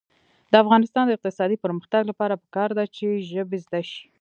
د افغانستان د اقتصادي پرمختګ لپاره پکار ده چې ژبې زده شي.